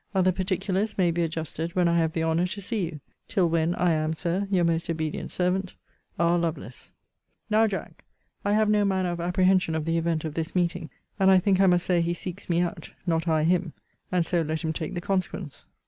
Other particulars may be adjusted when I have the honour to see you. Till when, I am, Sir, Your most obedient servant, R. LOVELACE. Now, Jack, I have no manner of apprehension of the event of this meeting. And I think I must say he seeks me out; not I him. And so let him take the consequence.